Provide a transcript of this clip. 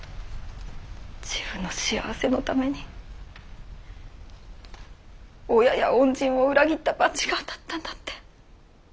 自分の幸せのために親や恩人を裏切った罰が当たったんだって。